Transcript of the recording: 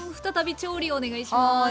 再び調理をお願いします。